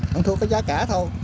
mình thu có giá cả thôi